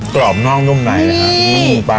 กรอบน้องทุ่มในครับ